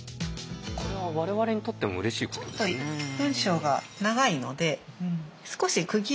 これは我々にとってもうれしいことですね。